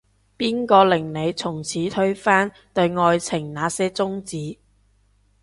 邊個令你從此推翻，對愛情那些宗旨